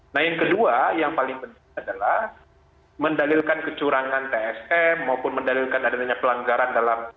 nah yang kedua yang paling penting adalah mendalilkan kecurangan tsm maupun mendalilkan adanya pelanggaran dalam